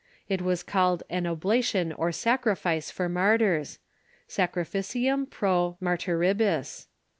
It was called an oblation or sacrifice for martyrs — sacrificiuni pro inartyribxis.